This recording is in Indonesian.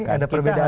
ini ada perbedaan